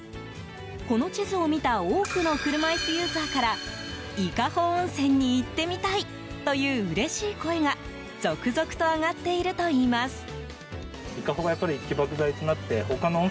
この地図を見た多くの車椅子ユーザーから伊香保温泉に行ってみたいといううれしい声が続々と上がっているといいます。